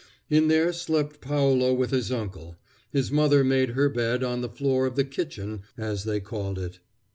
In there slept Paolo with his uncle; his mother made her bed on the floor of the "kitchen," as they called it.